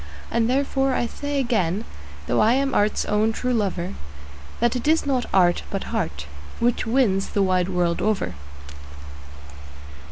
And therefore I say again, though I am art's own true lover, That it is not art, but heart, which wins the wide world over.